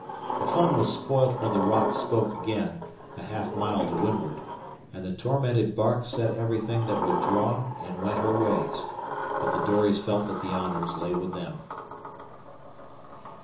The fun was spoilt when the rock spoke again, a half mile to windward, and the tormented bark set everything that would draw and went her ways; but the dories felt that the honours lay with them.